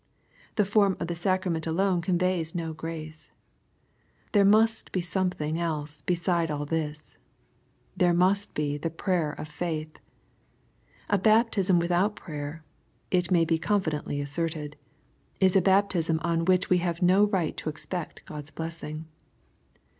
The form of the sacrament alone conveys no grace. There must be something else beside all this. There must be " the prayer of &ith." A baptism without prayer, it may be confidently asserted, is a baptism on which we have no right to expect God's blessing.